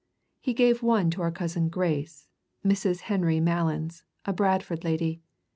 He gave one to our cousin Grace Mrs. Henry Mallins a Bradford lady.